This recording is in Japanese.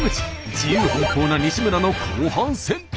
自由奔放な西村の後半戦。